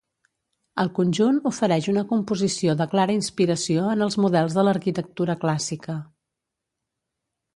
El conjunt ofereix una composició de clara inspiració en els models de l'arquitectura clàssica.